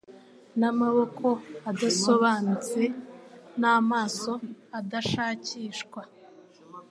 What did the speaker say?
n'amaboko adasobanutse n'amaso adashakishwa